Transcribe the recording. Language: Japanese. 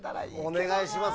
お願いします